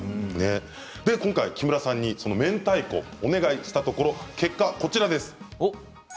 今回、木村さんにそのめんたいこをお願いしたところ結果は、こちらです。